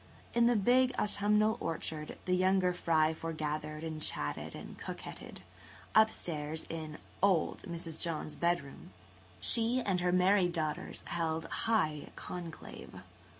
In the big autumnal orchard the younger fry foregathered and chatted and coquetted. Up stairs, in "old" Mrs. John's bedroom, she and her married daughters held high conclave.